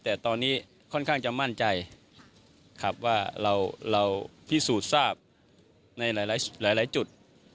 แต่ตอนนี้ค่อนข้างจะมั่นใจครับว่าเราพิสูจน์ทราบในหลายจุด